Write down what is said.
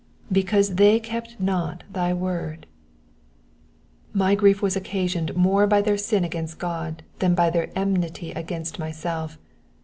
"^^ Because they kept not thy word.'* ^ My grief was occasioned more by their sin against God than by their enmity against myself.